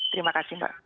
terima kasih mbak